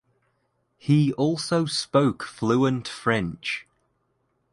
He also spoke fluent French.